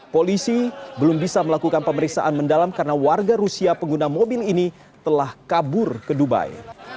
polisi belum bisa melakukan pemeriksaan mendalam karena warga rusia pengguna mobil ini telah kabur ke dubai